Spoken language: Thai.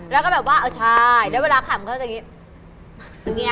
แล้วก็แบบว่าเออใช่แล้วเวลาขำก็จะอย่างนี้